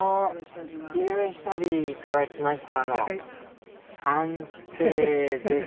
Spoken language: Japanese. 「昼めし旅」から来ました三瓶です。